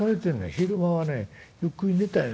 昼間はねゆっくり寝たいの。